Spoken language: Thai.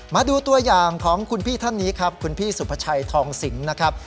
มาดูตัวอย่างของคุณพี่ท่านนี้ครับคุณพี่สุภาชัยทองสิงนะครับ